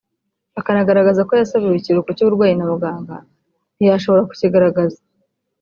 akanagaragaza ko yasabiwe ikiruhuko cy’uburwayi na muganga ntiyashobora kukigaragaza